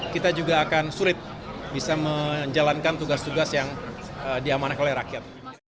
kita juga akan sulit bisa menjalankan tugas tugas yang diamankan oleh rakyat